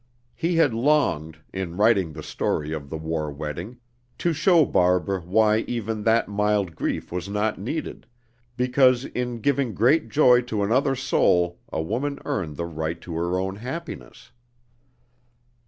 He had longed, in writing the story of "The War Wedding," to show Barbara why even that mild grief was not needed, because in giving great joy to another soul a woman earned the right to her own happiness.